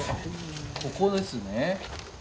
ここですね？